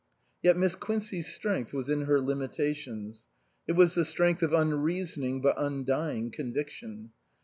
Yet Miss Quincey's strength was in her limitations. It was the strength of unreasoning but undying conviction.